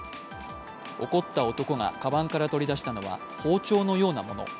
怒った男が鞄から取り出したのは包丁のようなもの。